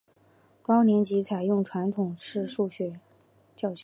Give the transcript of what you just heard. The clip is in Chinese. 高年级采用传统式教学。